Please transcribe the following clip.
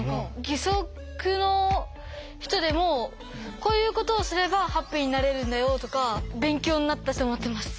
義足の人でもこういうことをすればハッピーになれるんだよとか勉強になったと思ってます。